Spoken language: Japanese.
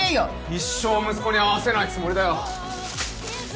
一生息子に会わせないつもりだよ！